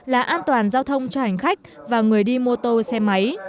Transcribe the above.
là an toàn giao thông cho hành khách và người đi mô tô xe máy